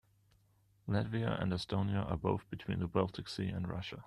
Latvia and Estonia are both between the Baltic Sea and Russia.